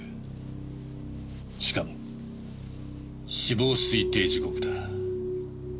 しかも死亡推定時刻だ。